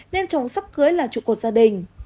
nên chồng sắp cưới là trụ cột gia đình